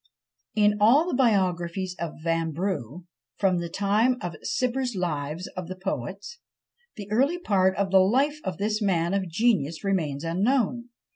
In all the biographies of Vanbrugh, from the time of Cibber's Lives of the Poets, the early part of the life of this man of genius remains unknown.